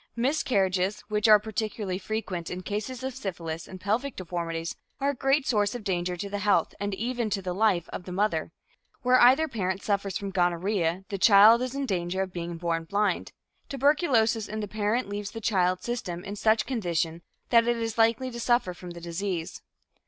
Miscarriages, which are particularly frequent in cases of syphilis and pelvic deformities, are a great source of danger to the health and even to the life of the mother. Where either parent suffers from gonorrhea, the child is in danger of being born blind. Tuberculosis in the parent leaves the child's system in such condition that it is likely to suffer from the disease.